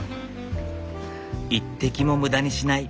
一滴も無駄にしない。